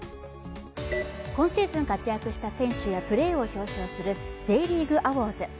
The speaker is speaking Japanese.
今シーズン活躍した選手やプレーを表彰するＪリーグアウォーズ。